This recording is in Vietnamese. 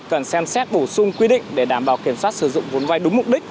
cần xem xét bổ sung quy định để đảm bảo kiểm soát sử dụng vốn vai đúng mục đích